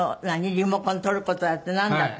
リモコン取る事だってなんだって。